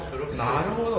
なるほど。